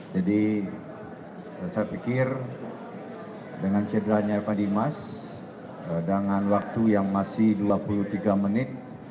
jadi saya pikir dengan cedera evan dimas dengan waktu yang masih dua puluh tiga menit